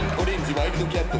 ワイルドキャット。